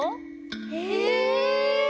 へえ！